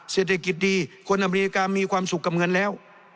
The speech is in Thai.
เศรษฐกิจดีคนอเมริกามีความสุขกับเงินแล้ว